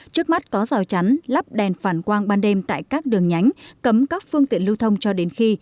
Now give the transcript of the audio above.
trước mắt có rào chắn lắp đèn phản quang ban đêm tại các đường nhánh cấm các phương tiện lưu thông cho đến khi